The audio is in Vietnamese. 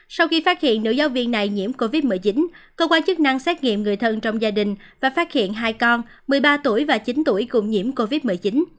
sau khi phát hiện nữ giáo viên này nhiễm covid một mươi chín cơ quan chức năng xét nghiệm người thân trong gia đình và phát hiện hai con một mươi ba tuổi và chín tuổi cùng nhiễm covid một mươi chín